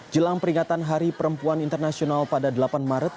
jelang peringatan hari perempuan internasional pada delapan maret